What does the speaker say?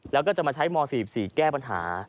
แล้วก็จะมาใช้ม๔๔แก้ปัญหา